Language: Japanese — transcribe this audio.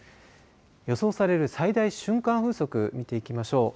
予想される最大瞬間風速見ていきましょう。